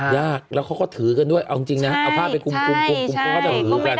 ยากแล้วเขาก็ถือกันด้วยเอาจริงนะเอาผ้าไปคุมเขาก็จะถือกัน